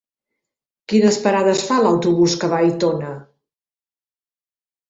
Quines parades fa l'autobús que va a Aitona?